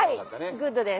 グッドです。